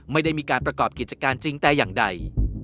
ไม่ได้มีการประกอบกิจการจริงแต่อย่างใด